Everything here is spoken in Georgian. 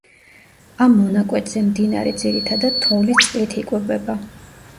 ამ მონაკვეთზე მდინარე ძირითადად თოვლის წყლით იკვებება.